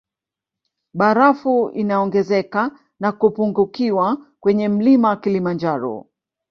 Barafu inaongezeka na kupungukiwa kwenye mlima kilimanjaro